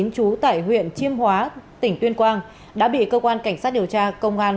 trú tại huyện chiêm hóa tỉnh tuyên quang đã bị cơ quan cảnh sát điều tra công an